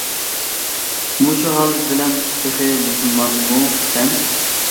مۇشۇ ھال بىلەن تېخى مۇسۇلمانمۇ سەن؟ !